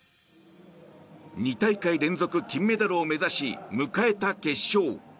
２大会連続金メダルを目指し迎えた決勝。